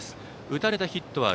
打たれたヒットは６。